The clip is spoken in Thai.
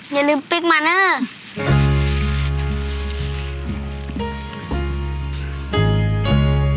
อย่าลืมปิ๊กมาเนอะ